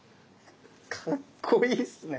かっこいいっすね。